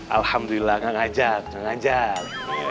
alhamdulillah ngajak ngajak